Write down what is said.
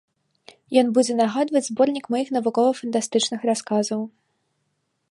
Ён будзе нагадваць зборнік маіх навукова-фантастычных расказаў.